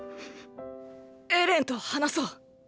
エレンと話そう。